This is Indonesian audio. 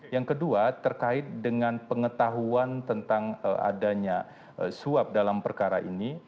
yang kedua terkait dengan pengetahuan tentang adanya suap dalam perkara ini